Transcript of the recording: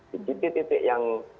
di titik titik yang